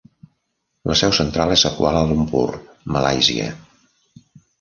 La seu central és a Kuala Lumpur, Malàisia.